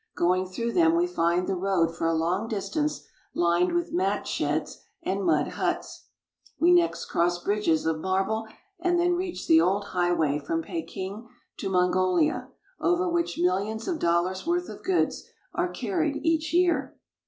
Going through them we find the road for a long distance lined with mat sheds and mud huts. We next cross bridges of marble and then reach the old highway from Peking to Mongolia, over which A Mule Litter. millions of dollars* worth of goods are carried each year.